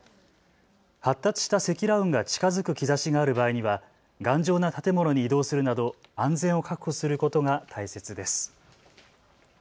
発達した積乱雲が近づく兆しがある場合には、頑丈な建物に移動するなど安全を確保することが大切です。